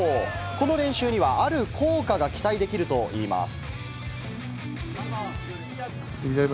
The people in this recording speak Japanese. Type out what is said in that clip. この練習には、ある効果が期待できるといいます。